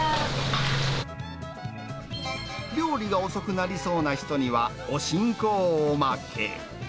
料理が遅くなりそうな人には、おしんこをおまけ。